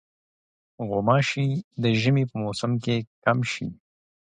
غوماشې د ژمي په موسم کې کمې شي.